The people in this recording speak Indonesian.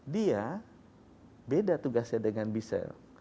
dia beda tugasnya dengan b cell